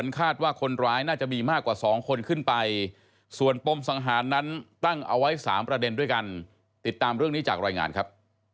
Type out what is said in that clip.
ของคนขึ้นไปส่วนปมสังหารนั้นตั้งเอาไว้สามประเด็นด้วยกันติดตามเรื่องนี้จากรอยงานครับ